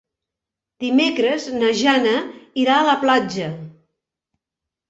Dimecres na Jana irà a la platja.